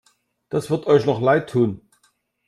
Das wird euch noch leid tun!